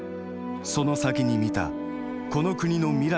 その先に見たこの国の未来とは。